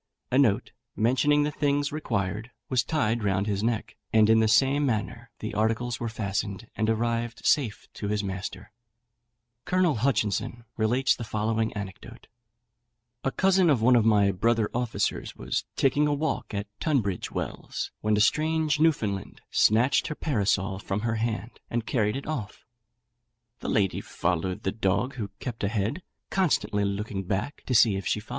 A note, mentioning the things required, was tied round his neck, and in the same manner the articles were fastened, and arrived safe to his master. Colonel Hutchinson relates the following anecdote: "A cousin of one of my brother officers was taking a walk at Tunbridge Wells, when a strange Newfoundland snatched her parasol from her hand, and carried it off.